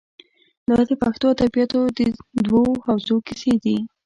دا د پښتو ادبیاتو د دوو حوزو کیسې دي.